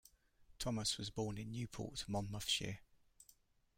Thomas was born in Newport, Monmouthshire.